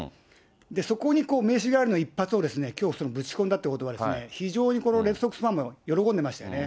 そこに名刺代わりの一発をきょう、ぶち込んだということは、非常にレッドソックスファンも喜んでましたよね。